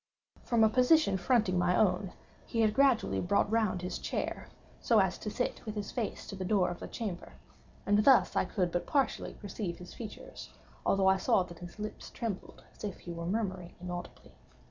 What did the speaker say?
From a position fronting my own, he had gradually brought round his chair, so as to sit with his face to the door of the chamber; and thus I could but partially perceive his features, although I saw that his lips trembled as if he were murmuring inaudibly.